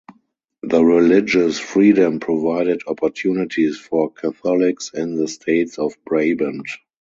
The religious freedom provided opportunities for Catholics in the States of Brabant.